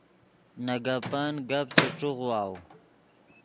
نے گپن، گپ چے ݯیغواؤ